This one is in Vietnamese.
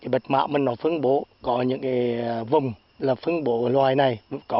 bạch mạc phương bố có những vùng phương bố loài này